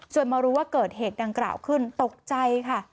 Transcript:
ส่วนมารู้ว่าเกิดเหตุดังกล่าวขึ้นตกใจค่ะ